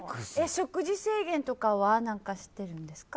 食事制限とかはしてるんですか？